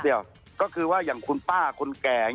เดี๋ยวก็คืออย่างคุณป้าคุณแก่